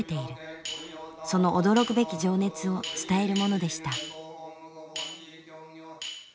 その驚くべき情熱を伝えるものでした。